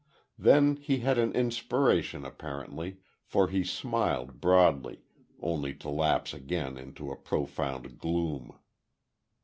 Then he had an inspiration apparently, for he smiled broadly—only to lapse again into a profound gloom.